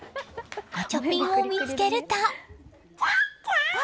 ガチャピンを見つけると。